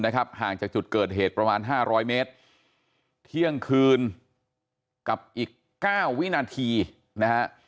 ห่างจากจุดเกิดเหตุประมาณห้าร้อยเมตรเที่ยงคืนกับอีก๙วินาทีนะฮะ